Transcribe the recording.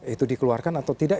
itu dikeluarkan atau tidak